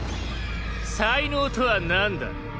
才能とはなんだ？